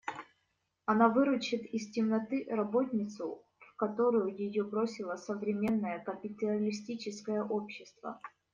Она выручит из темноты работницу, в которую ее бросило современное капиталистическое общество.